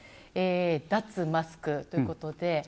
脱マスクということで。